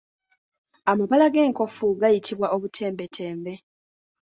Amabala g'enkofu gayitibwa obutembetembe.